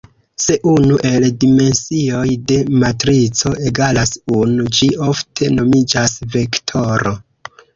Se unu el dimensioj de matrico egalas unu, ĝi ofte nomiĝas vektoro.